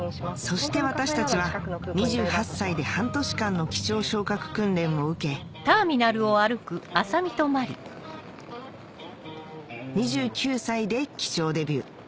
そして私たちは２８歳で半年間の機長昇格訓練を受け２９歳で機長デビュー